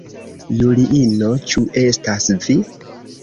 Juliino, ĉu estas vi?